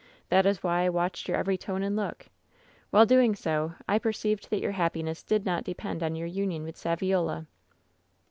That is why I watched your every tone and look. While doing so I perceived diat your happiness did not de pend on your union with Saviola.'